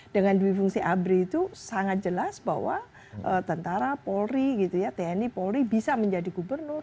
dengan dui fungsi abri itu sangat jelas bahwa tentara polri gitu ya tni polri bisa menjadi gubernur